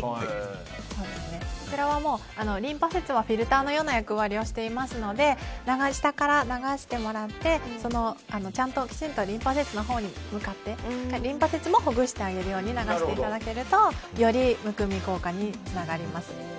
こちらは、リンパ節はフィルターのような役割をしていますので下から流してもらってきちんとリンパ節に向かってリンパ節もほぐすように流してあげるとより、むくみ効果につながります。